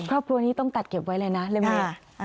ครอบครัวนี้ต้องตัดเก็บไว้เลยนะเล่มนี้